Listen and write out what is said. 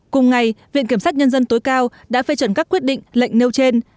cùng ngày viện kiểm sát nhân dân tối cao đã phê chuẩn các quyết định lệnh nêu trên